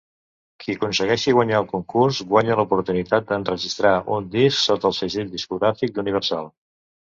Qui aconsegueixi guanyar el concurs, guanya l’oportunitat d’enregistrar un disc sota el segell discogràfic d’Universal.